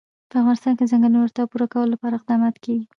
په افغانستان کې د ځنګلونه د اړتیاوو پوره کولو لپاره اقدامات کېږي.